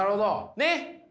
ねっ！